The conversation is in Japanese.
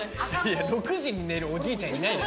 ６時に寝るおじいちゃんいない。